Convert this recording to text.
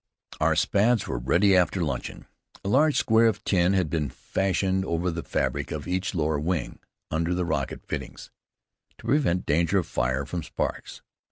Our Spads were ready after luncheon. A large square of tin had been fastened over the fabric of each lower wing, under the rocket fittings, to prevent danger of fire from sparks.